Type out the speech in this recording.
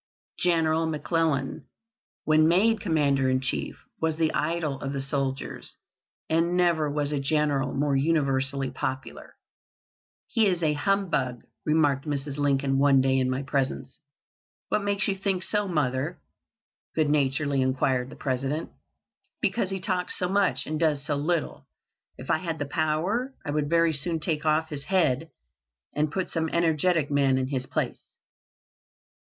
General McClellan, when made Commander in Chief, was the idol of the soldiers, and never was a general more universally popular. "He is a humbug," remarked Mrs. Lincoln one day in my presence. "What makes you think so, mother?" good naturedly inquired the President. "Because he talks so much and does so little. If I had the power I would very soon take off his head, and put some energetic man in his place."